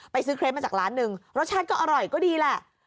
ซื้อเครปมาจากร้านหนึ่งรสชาติก็อร่อยก็ดีแหละ